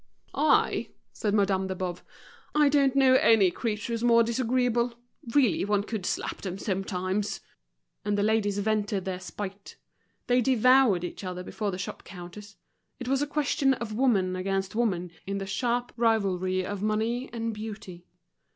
"I," said Madame de Boves, "I don't know any creatures more disagreeable. Really, one could slap them sometimes." And the ladies vented their spite. They devoured each other before the shop counters; it was a question of woman against woman in the sharp rivalry of money and beauty.